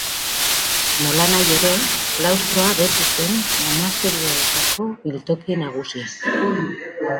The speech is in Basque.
Nolanahi ere, klaustroa beti zen monasterioetako biltoki nagusia.